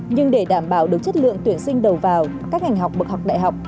nhưng để đảm bảo được chất lượng tuyển sinh đầu vào các ngành học bậc học đại học